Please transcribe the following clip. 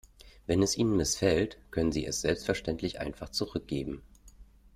Wenn es Ihnen missfällt, können Sie es selbstverständlich einfach zurückgeben.